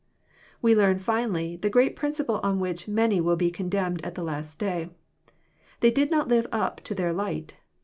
We learn, finally, the great principle on which many will be condemned at the last day. They did not live up to their light.